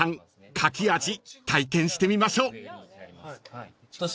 書き味体験してみましょう］